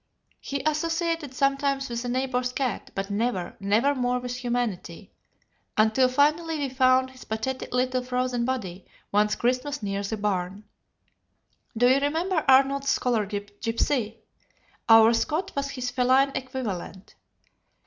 He associated sometimes with the neighbor's cat, but never, never more with humanity, until finally we found his pathetic little frozen body one Christmas near the barn. Do you remember Arnold's Scholar Gypsy? Our Scot was his feline equivalent....